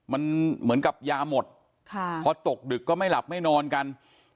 มันเหมือนกับยาหมดพอตกดึกก็ไม่หลับไม่นอนกัน